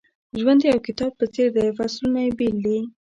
ژوند د یو کتاب په څېر دی فصلونه یې بېل دي.